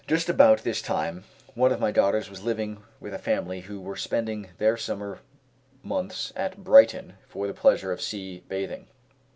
Just about this time, one of my daughters was living with a family who were spending their summer mouths at Brighton for the pleasure of sea bathing.